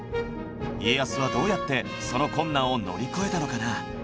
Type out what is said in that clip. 家康はどうやってその困難を乗り越えたのかな？